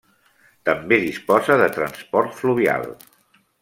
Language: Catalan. També disposa de transport fluvial.